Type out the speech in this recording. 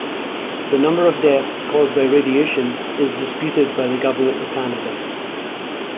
The number of deaths caused by radiation is disputed by the Government of Canada.